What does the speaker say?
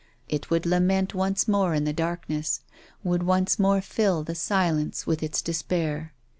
It would lament once more in the darkness, would once more fill the silence with its despair.